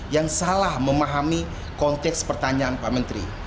yang salah memahami konteks pertanyaan pak menteri